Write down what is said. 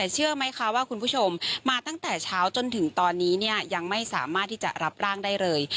เชื่อไหมคะว่าคุณผู้ชมมาตั้งแต่เช้าจนถึงตอนนี้เนี่ยยังไม่สามารถที่จะรับร่างได้เลย